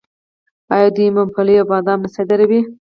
آیا دوی ممپلی او بادام نه صادروي؟